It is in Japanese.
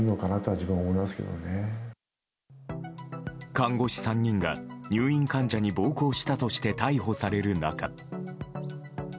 看護師３人が入院患者に暴行したとして逮捕される中。